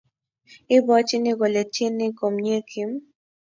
Ibwotyini kole tyeni komnyei Kim?